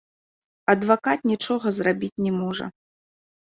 Адвакат нічога зрабіць не можа.